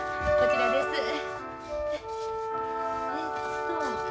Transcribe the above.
こちらです。